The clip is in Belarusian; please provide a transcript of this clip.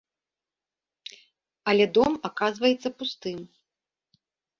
Але дом аказваецца пустым.